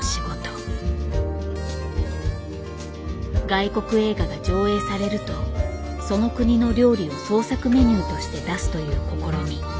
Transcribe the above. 外国映画が上映されるとその国の料理を創作メニューとして出すという試み。